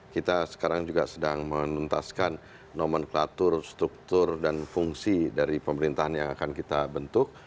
kita sekarang juga sedang menuntaskan nomenklatur struktur dan fungsi dari pemerintahan yang akan kita bentuk